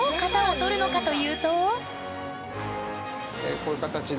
こういう形で。